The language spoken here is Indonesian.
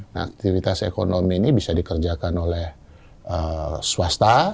nah aktivitas ekonomi ini bisa dikerjakan oleh swasta